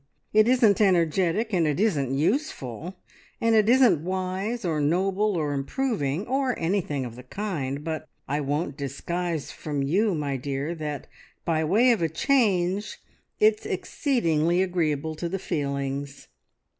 It isn't energetic, and it isn't useful, and it isn't wise, or noble, or improving, or anything of the kind, but I won't disguise from you, my dear, that, by way of a change, it's exceedingly agreeable to the feelings.